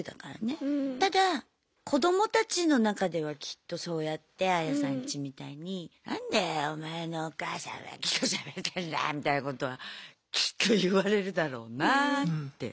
ただ子どもたちの中ではきっとそうやってアヤさんちみたいに何だよお前のお母さんは木としゃべってんだみたいなことはきっと言われるだろうなって。